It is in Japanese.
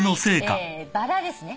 バラですね。